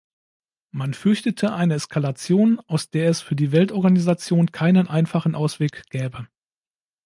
Man fürchtete eine Eskalation, aus der es für die Weltorganisation keinen einfachen Ausweg gäbe.